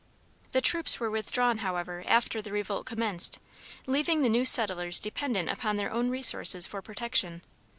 The troops were withdrawn, however, after the revolt commenced, leaving the new settlers dependent upon their own resources for protection.